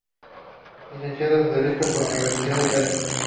Licenciado en Derecho por la Universidad de Cádiz.